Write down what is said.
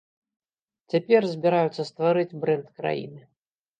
Цяпер збіраюцца стварыць брэнд краіны.